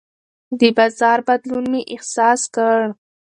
د بازار بدلون مې احساس کړ.